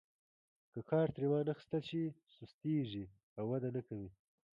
که کار ترې وانخیستل شي سستیږي او وده نه کوي.